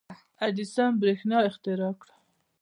• اډېسن برېښنا اختراع کړه.